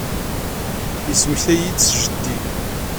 Yesmektay-iyi-d s jeddi.